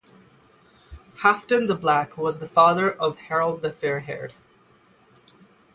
Halfdan the Black was the father of Harold the Fair-Haired.